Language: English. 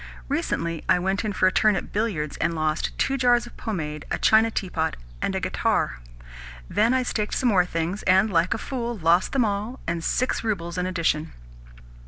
Recently I went in for a turn at billiards, and lost two jars of pomade, a china teapot, and a guitar. Then I staked some more things, and, like a fool, lost them all, and six roubles in addition.